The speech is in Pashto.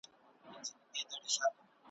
نه څپې وې نه موجونه نه توپان وو ,